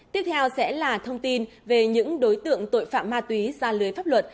tiếp theo sẽ là thông tin về những đối tượng tội phạm ma túy ra lưới pháp luật